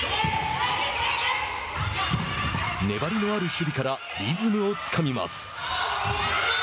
粘りのある守備からリズムをつかみます。